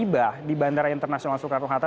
tiba di bandara internasional soekarno hatta